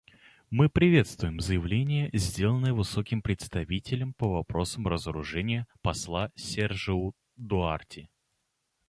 Мы приветствуем заявление, сделанное Высоким представителем по вопросам разоружения посла Сержиу Дуарти.